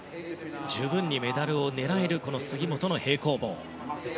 十分にメダルを狙える杉本の平行棒。